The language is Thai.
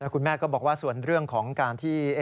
คุณแม่ก็บอกว่าส่วนเรื่องของการที่